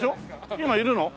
今いるの？